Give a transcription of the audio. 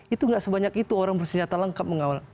itu gak sebanyak itu orang bersenjata lengkap mengawal